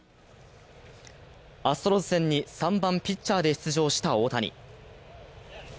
アストロズ戦に３番・ピッチャーで出場した大谷。